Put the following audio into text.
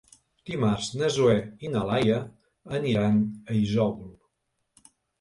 Dimarts na Zoè i na Laia aniran a Isòvol.